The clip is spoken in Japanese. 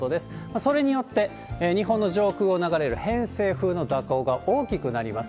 それによって、日本の上空を流れる偏西風の蛇行が大きくなります。